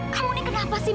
kamu ini kenapa sih mila